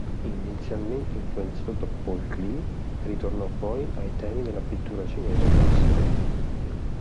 Inizialmente influenzato da Paul Klee, ritornò poi ai temi della pittura cinese classica.